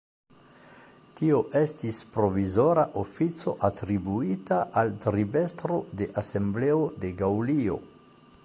Tio estis provizora ofico atribuita al tribestro de Asembleo de Gaŭlio.